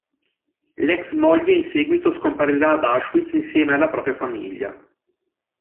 L'ex moglie in seguito scomparirà ad Auschwitz, insieme alla propria famiglia.